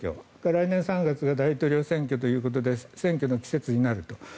来年３月が大統領選挙ということで選挙の季節になると。